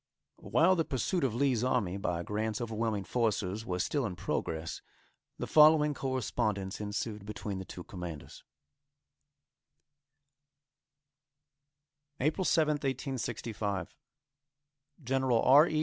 While the pursuit of Lee's army by Grant's overwhelming forces was still in progress, the following correspondence ensued between the two commanders: APRIL 7th, 1865. _General R. E.